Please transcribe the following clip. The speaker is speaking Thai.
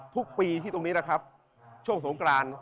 ทุกปีที่ตรงนี้นะครับช่วงสงกราน